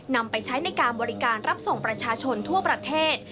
นำไปใช้ในการบริการรับส่งประชาชนทั่วประเทศ